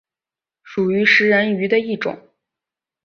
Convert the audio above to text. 属于食人鱼的一种。